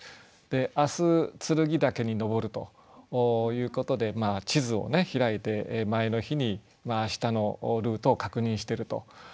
明日剱岳に登るということで地図を開いて前の日に明日のルートを確認してると。